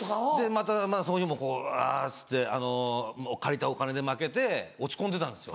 またその日も「あぁ」っつって借りたお金で負けて落ち込んでたんですよ。